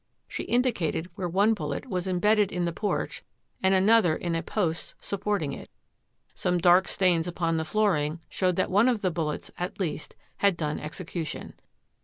She indicated where one bul let was imbedded in the porch and another in a post supporting it. Some dark stains upon the flooring showed that one of the bullets, at least, had done execution.